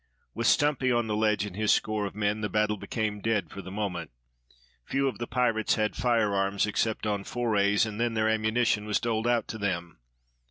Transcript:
With Stumpy on the ledge, and his score of men, the battle became dead for the moment. Few of the pirates had firearms, except on forays, and then their ammunition was doled out to them.